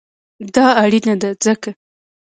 دا اړینه ده ځکه: